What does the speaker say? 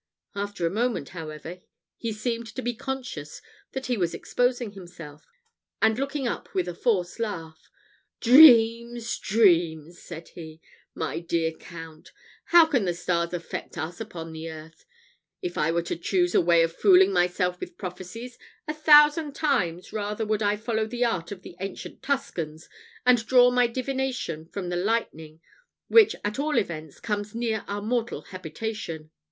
After a moment, however, he seemed to be conscious that he was exposing himself; and looking up with a forced laugh, "Dreams! dreams!" said he, "my dear Count. How can the stars affect us upon the earth? If I were to choose a way of fooling myself with prophecies, a thousand times rather would I follow the art of the ancient Tuscans, and draw my divination from the lightning, which at all events comes near our mortal habitation."